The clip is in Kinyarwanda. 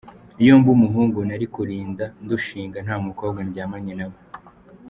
Iyo mba umuhungu nari kurinda ndushinga nta mukobwa ndyamanye na we